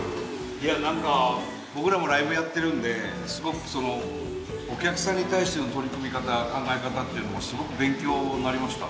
いや何か僕らもライブやってるんですごくお客さんに対しての取り組み方考え方っていうのもすごく勉強になりました